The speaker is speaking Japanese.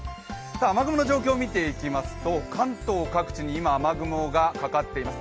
雨雲の状況を見ていきますと関東各地に今、雨雲がかかっています。